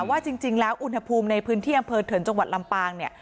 ว่าจริงแล้วอุณหภูมิในพื้นที่อำเภอเถินจังหวัดลำปางเนี่ย